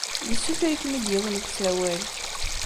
Yessuter-ikem-id yiwen deg usawal.